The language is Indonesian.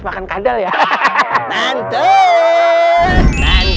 makan kadal ya hahaha tante